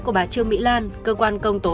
của bà trương mỹ lan cơ quan công tố